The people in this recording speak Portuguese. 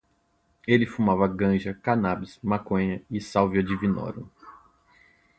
Ele fumava ganja, cannabis, maconha e salvia divinorum